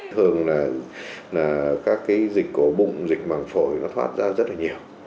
thường là các dịch cổ bụng dịch mạng phổi nó thoát ra rất là nhiều